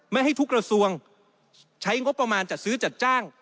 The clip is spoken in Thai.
ไม่ให้ทุกกระทรวงใช้งบประมาณจัดซื้อจัดจ้าง